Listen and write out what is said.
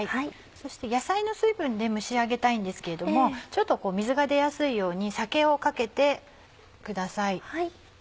そして野菜の水分で蒸し上げたいんですけれどもちょっと水が出やすいように酒をかけてください。